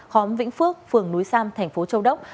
khóm vĩnh phước phường núi sam thành phố châu đốc